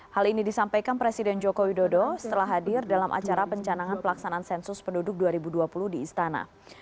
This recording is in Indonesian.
hal ini disampaikan presiden joko widodo setelah hadir dalam acara pencanangan pelaksanaan sensus penduduk dua ribu dua puluh di istana